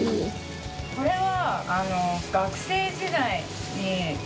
これは。